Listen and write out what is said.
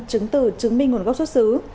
chứng từ chứng minh nguồn gốc xuất xứ